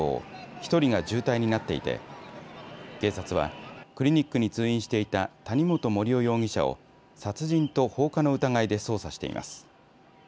１人が重体になっていて警察はクリニックに通院していた谷本盛雄容疑者を殺人と放火の疑いで捜査しています。